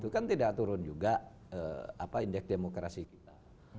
kan tidak turun juga indeks demokrasi kita